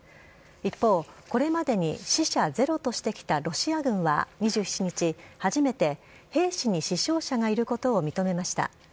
一方、これまでに死者ゼロとしてきたロシア軍は２７日、初めて兵士に死傷者がいることを認めました。